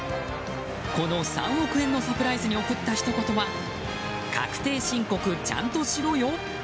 この３億円のサプライズに送ったひと言は確定申告ちゃんとしろよ！